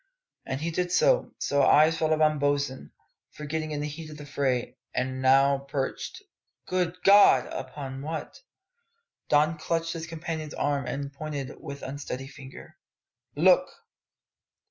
As he did so, his eyes fell upon Bosin, forgotten in the heat of the fray, and now perched good God! upon what? Don clutched his companion's arm and pointed with unsteady finger. "Look!"